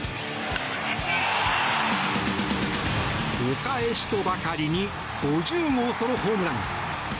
お返しとばかりに５０号ソロホームラン。